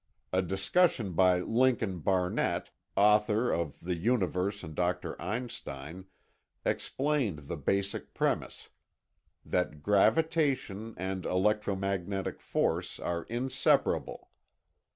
A discussion by Lincoln Barnett, author of The Universe and Dr. Einstein, explained the basic premise—that gravitation and electromagnetic force are inseparable.